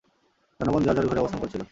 জনগণ যার যার ঘরে অবস্থান করছিল।